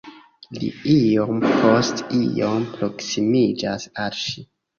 Li iom post iom proksimiĝas al ŝi.